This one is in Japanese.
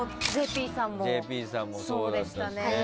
ＪＰさんもそうだったしね。